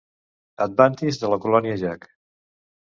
Et vantis de la colònia Jack.